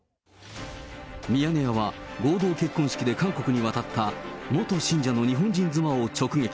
ミヤネ屋は、合同結婚式で韓国に渡った元信者の日本人妻を直撃。